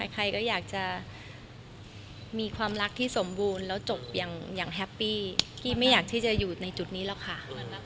ใครก็อยากจะมีความรักที่สมบูรณ์แล้วจบอย่างแฮปปี้กี้ไม่อยากที่จะอยู่ในจุดนี้หรอกค่ะ